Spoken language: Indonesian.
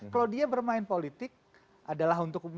kalau dia bermain politik adalah untuk